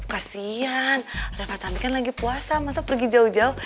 kasian reva cantik kan lagi puasa masa pergi jauh jauh